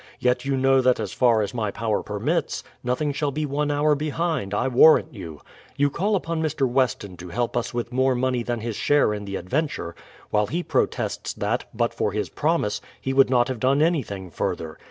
Yet you know that as far as my power permits, nothing shall be one hour behind, I warrant you. You call upon Mr. Weston to help us with more money than his share in the adventure ; while he protests that, but for his promise, he would not have done anj'thing further.